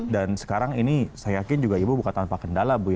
dan sekarang ini saya yakin juga ibu buka tanpa kendala bu